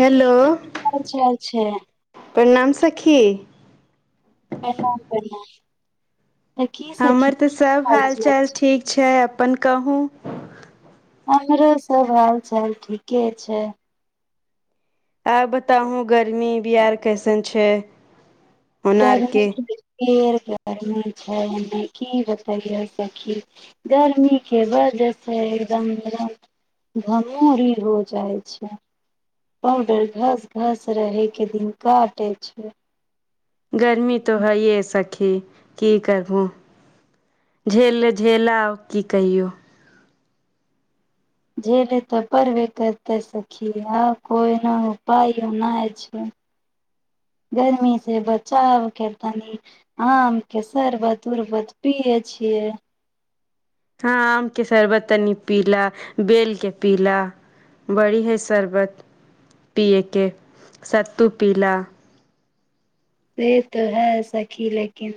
जी च छै [inaudible] प्रणाम सखी प्रणाम प्रणाम तऽ की सखी हमर की तऽ सब हाल चाल ठीक छै अपन कहू हमरो सब हाल चाल ठीके छै आब बताउ गर्मी बिहार कैसन छैय गर्मी गर्मी छै की बतायै सखि गर्मी के वजहसँ एकदम गरम घमोरी हो जाइ छैय पाउडर घस घस रहे के दिन काटे छिय गर्मी तो है य सखी की करबहोझेल आउर की कहियौ जे ले ते परब करते सखी कोनो नहि उपायना छैय गर्मी से बचाव कतौ न आम के शरबत उरबत पिये छियै हँ आमके शरबत तनी पीला बेलके पीलाा बड़ी है शरबत पिये के सत्तू पीला से तो है सखी लेकिन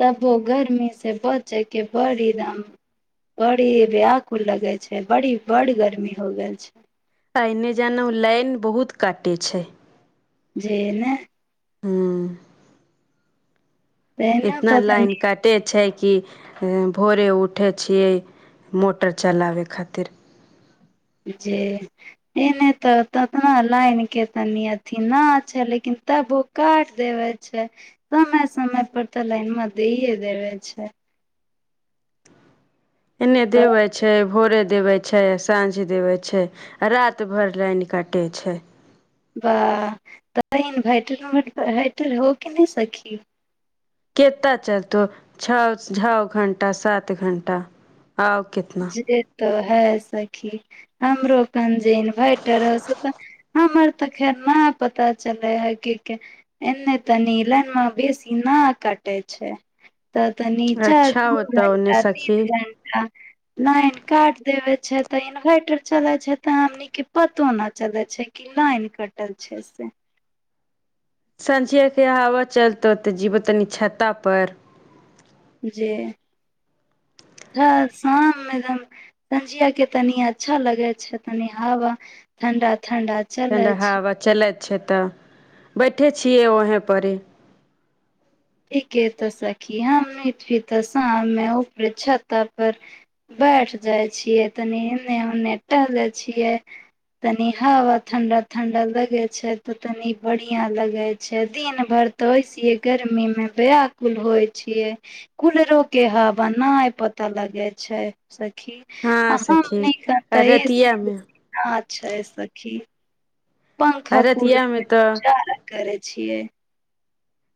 तबो गर्मी से बचे के बड़ी दाम बड़ी व्याकुल लगे छै बड़ी बड़ गर्मी हो गेल छै ऐने जनू लाइन बहुत काटे छै [inaudible] जेना हूँ तेहनो इतना तो लाइन तनी काट कटे छै कि भोरे उठै छियै मोटर चलाबै खातिर जे एने तऽ ततना लाइन के तनी अथी न छै लेकिन तबो काट देवे छै समय समय पर तऽ लाइन मे दे देवे छै एने तऽ देवे छै भोरे देवे छै छै साँझ देबै छै आ रात भेर लाइन काटै छै वाह तऽ इन्वर्टर इन्वर्टर होके नय सखी केता चलतौ छ छओ घण्टा सात घण्टा आउ कितना जे तो है सखी हमरो कन जे इन्वोटर है हमर तऽ खेर ना पता चलै है क क एने तनी लइन मे बेसी न कटे छै तऽ तऽ नीचा [inaudible] अच्छा दू होतौ ओन्ने घण्टा सखी तीन घण्टा लाइन काट देबे छै तऽ इन्वर्टर चलैत छै तऽ हमने पतो नय चलैत छै इ आइन कटल छै से सँझिया के कनी हवा चलतौ तऽ जीबो तनी छत्ता पर [unintelligible] संझिया के तनि अच्छा लगे छै तनि हवा ठंडा ठंडा चले ठण्डा छै हवा चलैत छै तऽ बैठे छियै वहें परी ठीके के तऽ सखी [unintelligible] पर छाता पर बैठ जाइ छियै तनी एने ओने टहले छियै तनि हवा ठंडा ठंडा लगे छै तऽ तनी बढ़िया लगे छै दिन भर तोइस गर्मी मे व्याकुल होइ छिये कूलरो के हवा नय पता लगे छै सखी हँ अ सखी हमनी के आ तऽ ए सी उ रतियामे सी ना छय सखी रातिया में तऽ करै छियै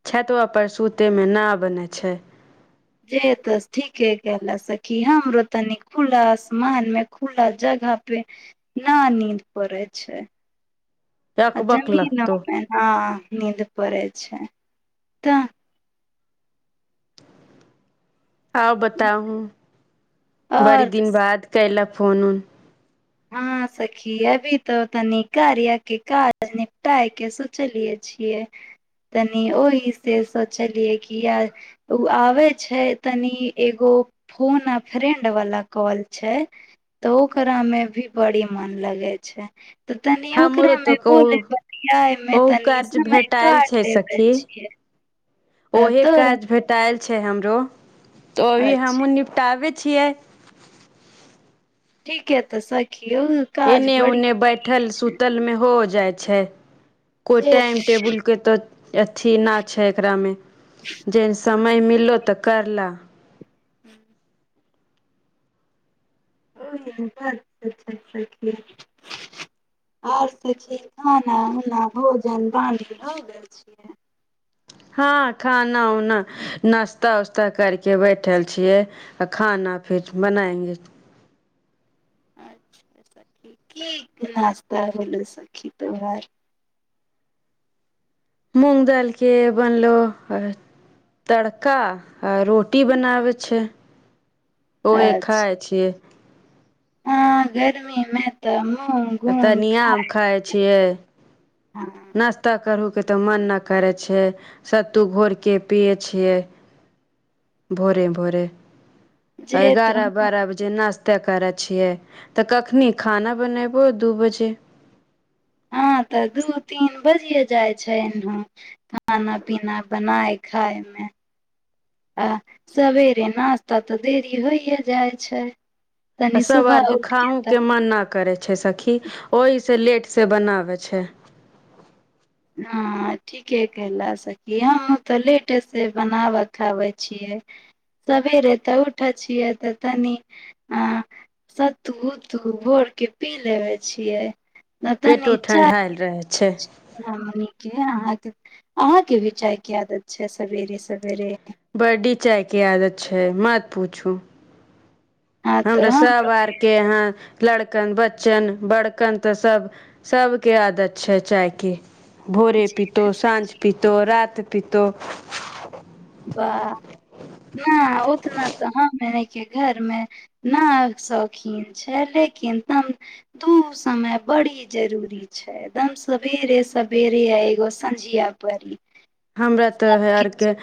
छतआ पर सूते मे ना बनै छै जे तऽ ठीके क सखी हमरो तनी खुला आसमान मे खुला जगह पे ना नीद पड़ेै छै अकबक जमीनै लगतौ मे ह नीद पड़े छै तऽ आउ बताउ बड़ी और दिन बाद केल फोन उन हँ सखी अभी तो तनी कार्य के काज निपटाए के सु सोचलियै छियै तनी ओहि से सोचलियै कि य ओ आबै छै तनी एगो फोन आ फ्रेंड वाला कॉल छै तऽ ओकरा में भी बड़ी मन लगेै छै तऽ तनी ओकरे हमरो तो मे कहु बोले बतियाये मे ओहु तनी काज समय भेटायल काट छै लेबे सखी छी हे [unintelligible] ओहे काज भेटायल छै हमरो तऽ ओही अच्छा हमहुँ निप ताबे छियै ठीक है तऽ सखीयों एने ओने बैठल सुतल मे हो जाइत छैय कोय जे टाइम तू- टेबुल के तऽ अथी नैय छै एकरामे जेन समय मिललो तऽ कर ल [unintelligible] [unintelligible] और सब चीज खाना उना भोजन पानी भगेल छियै हं खाना उना नाास्ता उस्ता कर के बैठल छियै आ खाना फेर बनाएंगे की -की नास्ता भेलौ सखी तोरा मूंग दैल के बनलो तड़का आ रोटी बनावे छिय ओहे खााय छियै ह गर्मी में तऽ मूँह घू खााय खाय छियै ह [unintelligible] नाास्ता करू के तऽ मन नैय करै छै सत्तू घोर के पिये छियै भोरे -भोरे जे तऽ एगारह बारह बजे नस्त ते करै छियै तऽ कखनी खाना बनेबो दू बजे ह तऽ दू तीन बजिये जाय छै इनह खाना पीना बनाय खाायमे आ सबेरे नास्ता तऽ देरी होइये जाय छै आ तनी सुबह सबरेके उठ खाहु के तऽ मन नै करेै छै सखी ओहि से लेट से बनाबे छिय नैय ठी की के कला सखी हं तऽ लेट से बनाबे खाबे छियै सवेरे तऽ उठै छियै तऽ तनी आ सत्तू -उत्तू भोर के पी लेबे छियै ने पेटो तनी ठण्ढायल चाय रहै छै नानी के आहाँ के -आहाँ के भी चाय के आदत छै सवेरे- सवेरे बडी चाय के आदत छै मत पूछू हँ तऽ हमरा सब हमरो आरके हं लड़कन बच्चन बड़कन तऽ सब सबके आदत छैय चाय के भोरे पितो साँझ पितो रात पितो वाह नैय उतना तऽ हममे के घरमे नैय शौखीन छैय लेकिन तम दू समय बड़ी जरूरी छै एकदम सबरे- सबरे एगो संझिया परीली हमरा तऽ ह आरके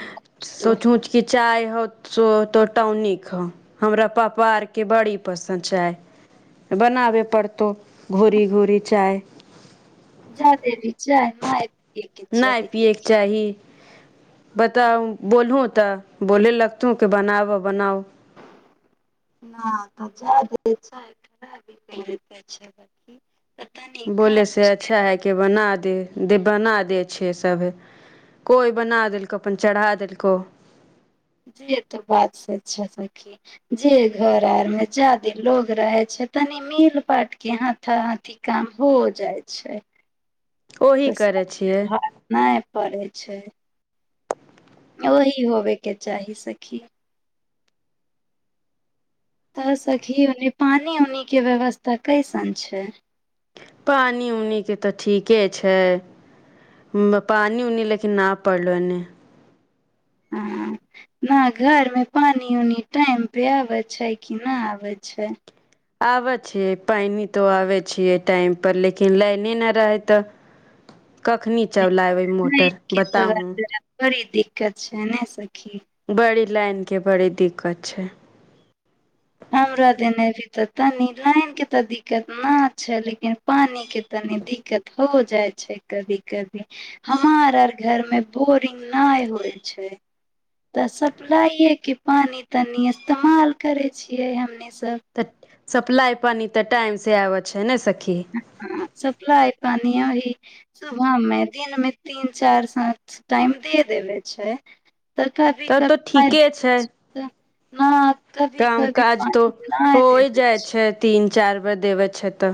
सोचू की चाय हौ तो टौनिक हौ हमरा पापा और के बड़ी पसंन्द चैय बनाबे पड़तौ भोरी -भेरी चाय जय देवी चाय माय नहि पियएके चाही बताउ बोलू तऽ बोले लगतौ कि बनाब बनाउ न जाय दैत छै अभी पियएते छलया कि बोले से अच्छा है की बना दे दे बना दे छैे सब हे कोइ बना देलकौ अपन चरा देलकौ से ते बात सच छः सखी जे घर आर में जादे लोग रहे छै तनी मिल बाट के हाथा हाथी काम हो जाइ छै ओही तऽ सब करै छियै पर भार नहि पड़ै छै अल ही होबय के चाही सखी तऽ सखी ओनो पानी उानिके व्यवस्था कैसन छै पानी उनि के तऽ ठीके छै हु पानी उनी लेकिन न पड़लौ एने हँ न घर मे पानी उनि टाइम पर आबै छै कि न आबै छै आबे छीयै पैनी तो आबे छीयै टाइम पर लेकिन लाइने न रहे तऽ कखनी चबलाब नहि कि तबे बड़ी दिक्कत छै नै सखी बड़ी लाइन के बड़ी दिक्कत छै हमरो देने अभी तऽ तनी लाइन के ते दिक्कत न छै लेकिन पानी के तनी दिक्कत हो जाइ छै कभी कभी हमार आर घर मे बोरिंग न होइ छै तऽ सप्लाइएके पानी तनि इस्तेमाल करै छियै हमनी सब तऽ सप्लाइ पानी तऽ टाइम से आबै छै ने सखी सप्लाइ पानी याहि सुबह मे दिनमे तीन चारि साँच टाइम दे देबे छै तऽ कभी तब तऽ कभी ठीके छै न कभी काम कभी काज तो पानी नय होइ देवे जाइ छै तीन चार बेर देबऽ छै तऽ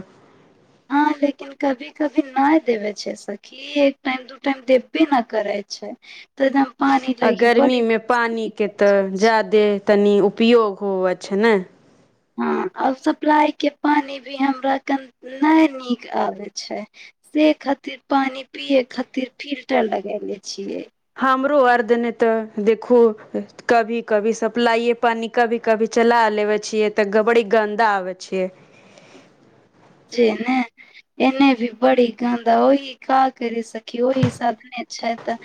हँ लेकिन कभी कभी नहि देवे छै सखी ई एक टाइम दू टाइम देबे न करै छै तऽ दम पानी आ लागी गर्मी बड़ी मे पानी के तऽ ज्यादे तनी उपयोग होव छै ने हँ आब सप्लाई के पानी भी हमरा कन न नीक आबे छै से खातिर पानी पियए खातिर फिल्टर लगेले छियै हमरो आर देने तऽ देखू कभी कभी सप्लाइे पानी कभी कभी चला लेबे छियै तऽ गबड़ी गन्दा आबे छियै जे ने एने भी बड़ी गन्द ओहि काह करी सकी ओहि साधने छैय त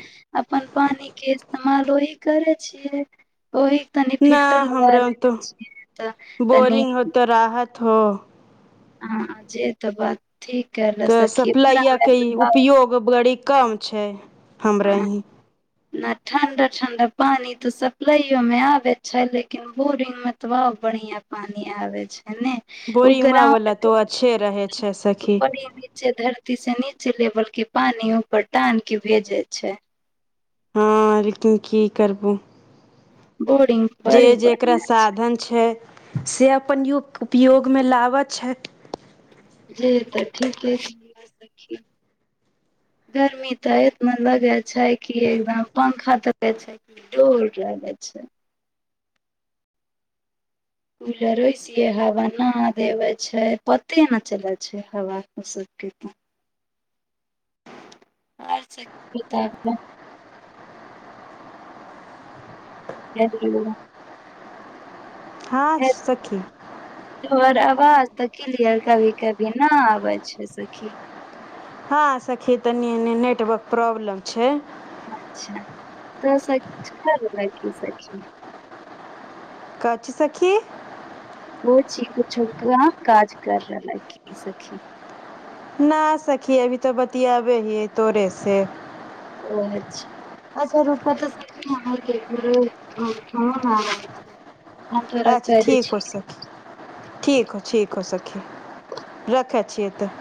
अपन पानी के इस्तेमाल ओहि करे छियै ओहि तनि न फिल्टर लगा हमरा तो देना छी तऽ तनि थ हँ जे तऽ बात ठीक करै लऽ सखी गोबड़ी कम छै हमरा हँ ही न ठंडा ठंडा पानी ते सप्लाइयो में आबे छै लेकिन बोरिंग मे ऐतबा बढ़िया पानी आबे छै ने उ बोरिंमा वाला ग्राउंड तो अच्छे रहे छै सखी बड़ी नीचे धरती से नीचे लेवल के पानी ऊपर टान के भेजे छै हँ लेकिन कि करबु बोड़िग जे जेकरा साधन छै से अपन उपयोग मे लाबऽ छै जी तऽ ठीके छै सखी गर्मी त एत मन लगै छै कि एकदम पंखा तके छै कि डोल रहे छै कूलर ओएसीयो हवा न देबै छै पते नय चलै छै हवा ओ सभके [inaudible] [inaudible] हाँ सखी तोहर आवाज तऽ क्लियर कभी कभी ना आबै छै सखी हँ सखी तनी ऐेने नेटवर्क प्रॉब्लम छै अच्छा तऽ [inaudible] ली सखी कथी सखी [inaudible] ओ च छक काज कर रहल है क सखी न आ सकी अभी तो बतियाबे हिए तोरे से ओ अच्छा अच्छा रुक [inaudible] हमँ तोरा [inaudible] अच्छा केह दै ठीक छी हो ठीक हो ठीक हो सखी रखै छियै तऽ